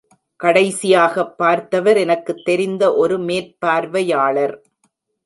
கடைசியாகப் பார்த்தவர் எனக்குத் தெரிந்த ஒரு மேற்பார்வையாளர்.